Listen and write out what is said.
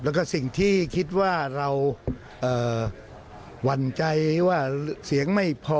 แล้วก็สิ่งที่คิดว่าเราหวั่นใจว่าเสียงไม่พอ